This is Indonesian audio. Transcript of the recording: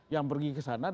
yang pergi ke sana